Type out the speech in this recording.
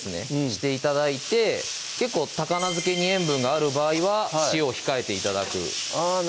して頂いて結構高菜漬けに塩分がある場合は塩を控えて頂くあぁ